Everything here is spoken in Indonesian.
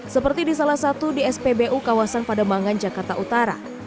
seperti di salah satu di spbu kawasan pademangan jakarta utara